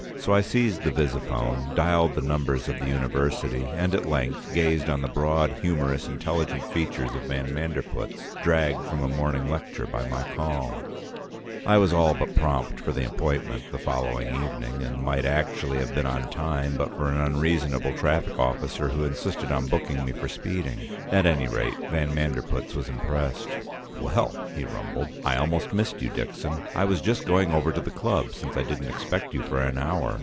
So I seized the visiphone, dialed the number of the University, and at length gazed on the broad, humorous, intelligent features of van Manderpootz, dragged from a morning lecture by my call. I was all but prompt for the appointment the following evening, and might actually have been on time but for an unreasonable traffic officer who insisted on booking me for speeding. At any rate, van Manderpootz was impressed. "Well!" he rumbled. "I almost missed you, Dixon. I was just going over to the club, since I didn't expect you for an hour.